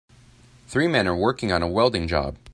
Three men are working on a welding job.